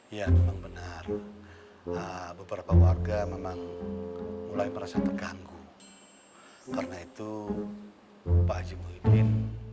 ya memang benar beberapa warga memang mulai merasa terganggu karena itu pak haji muhyiddin